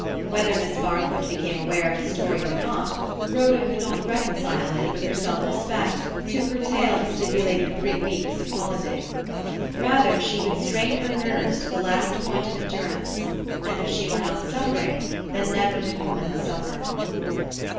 Whether Miss Barfoot became aware of the story or not, Rhoda could not reconcile it with her self respect to curtail the stipulated three weeks of holiday. Rather she would strain her nerves to the last point of endurance—and if she were not suffering, then never did woman suffer.